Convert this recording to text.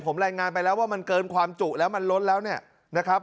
ผมรายงานไปแล้วว่ามันเกินความจุแล้วมันล้นแล้วเนี่ยนะครับ